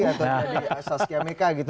atau jadi saskia mika gitu